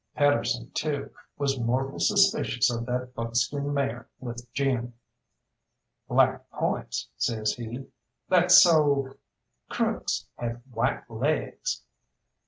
Pedersen, too, was mortal suspicious of that buckskin mare with Jim. "Black points," says he. "That's so Crook's had white laigs."